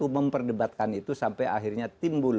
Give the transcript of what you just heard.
memperdebatkan itu sampai akhirnya timbul